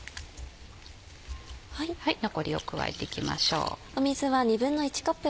残りを加えていきましょう。